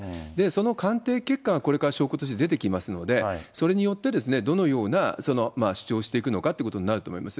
その鑑定結果がこれから証拠として出てきますので、それによって、どのような主張をしていくのかということになると思います。